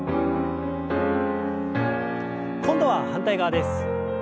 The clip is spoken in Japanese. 今度は反対側です。